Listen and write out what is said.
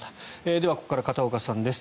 ではここから片岡さんです。